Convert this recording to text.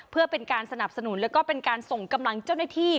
เพื่อเป็นการสนับสนุนแล้วก็เป็นการส่งกำลังเจ้าหน้าที่